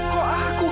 kok aku sih